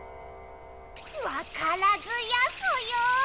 わからずやソヨ！